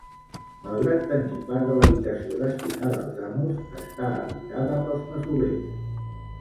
Malgrat tenir part de l'habitació destinada als amos, està habitada pels masovers.